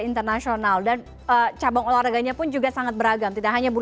internasional dan cabang olahraganya pun juga sangat beragam tidak hanya